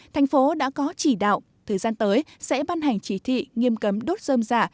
thành phố đã có chỉ đạo thời gian tới sẽ ban hành chỉ thị nghiêm cấm đốt dơm dạ